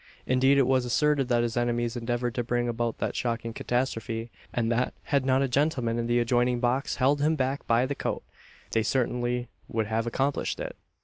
Indeed it was asserted that his enemies endeavoured to bring about that shocking catastrophe, and that, had not a gentleman in the adjoining box held him back by the coat, they certainly would have accomplished it.